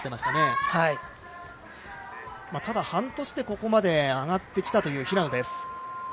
ただ、半年でここまで上がってきたという平野です。